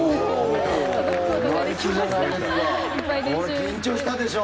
これ、緊張したでしょ？